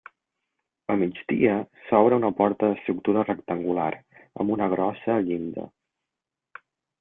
A migdia s'obre una porta d'estructura rectangular, amb una grossa llinda.